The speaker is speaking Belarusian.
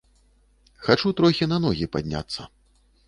Хачу трохі на ногі падняцца.